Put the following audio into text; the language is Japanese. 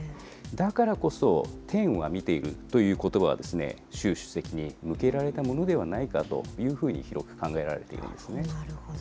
だからこそ、天は見ているということばは、習主席に向けられたものではないかと、広く考えられているんですなるほど。